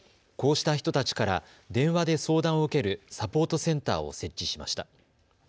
こうした人たちから電話で相談を受けるサポートセンターを設置しました。